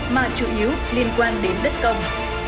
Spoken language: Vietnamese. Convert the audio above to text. mà chủ yếu liên quan đến đất công